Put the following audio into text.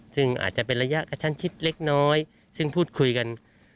ซึ่งอาจจะเป็นระยะกระชั้นชิดเล็กน้อยซึ่งพูดคุยกัน